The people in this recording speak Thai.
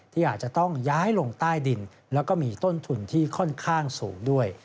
ที่อาจจะต้องย้ายลงใต้ดินแล้วก็มีต้นทุนที่ค่อนข้างสูงด้วย